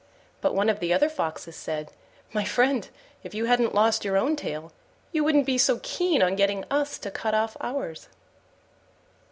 But one of the other Foxes said, "My friend, if you hadn't lost your own tail, you wouldn't be so keen on getting us to cut off ours."